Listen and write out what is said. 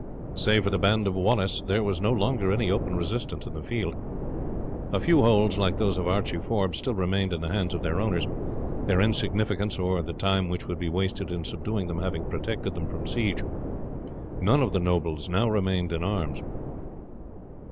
Save for the band of Wallace there was no longer any open resistance in the field. A few holds like those of Archie Forbes still remained in the hands of their owners, their insignificance, or the time which would be wasted in subduing them, having protected them from siege. None of the nobles now remained in arms.